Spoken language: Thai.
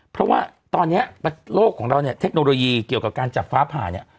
เพราะว่าตอนนี้โลกของเราเนี่ยเทคโนโลยีเกี่ยวกับการจับฟ้าผ่าเนี่ย